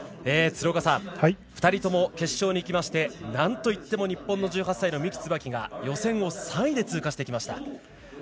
鶴岡さん２人とも決勝にいきましてなんといっても日本の１８歳の三木つばきが予選を３位で通過してきました。